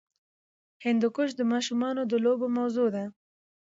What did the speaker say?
هندوکش د ماشومانو د لوبو موضوع ده.